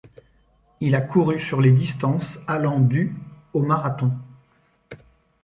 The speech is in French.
Il a couru sur les distances allant du au marathon.